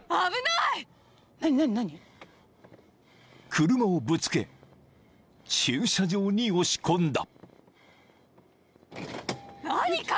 ［車をぶつけ駐車場に押し込んだ］